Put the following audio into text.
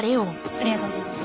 ありがとうございます。